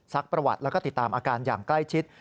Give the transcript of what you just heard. ประวัติแล้วก็ติดตามอาการอย่างใกล้ชิด